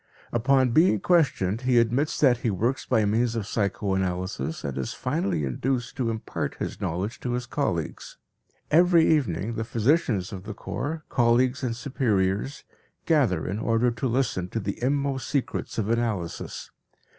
Upon being questioned he admits that he works by means of psychoanalysis and is finally induced to impart his knowledge to his colleagues. Every evening the physicians of the corps, colleagues and superiors, gather in order to listen to the inmost secrets of analysis.